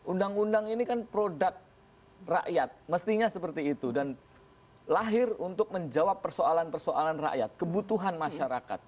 undang undang ini kan produk rakyat mestinya seperti itu dan lahir untuk menjawab persoalan persoalan rakyat kebutuhan masyarakat